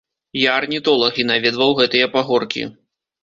Я арнітолаг, і наведваў гэтыя пагоркі.